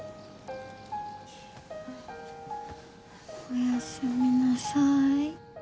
おやすみなさーい。